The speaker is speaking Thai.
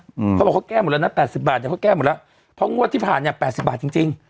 เพราะว่าเขาแก้หมดแล้วนะ๘๐บาทเขาแก้หมดแล้วเพราะงวดที่ผ่านเนี่ย๘๐บาทจริง